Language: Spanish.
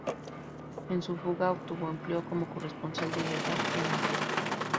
En su fuga, obtuvo empleo como corresponsal de guerra en África.